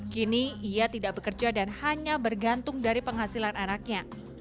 kini ia tidak bekerja dan hanya bergantung dari penghasilan anaknya